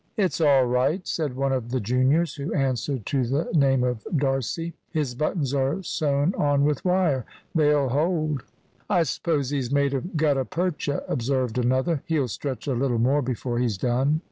"It's all right," said one of the juniors, who answered to the name of D'Arcy; "his buttons are sewn on with wire. They'll hold." "I suppose he's made of gutta percha," observed another. "He'll stretch a little more before he's done."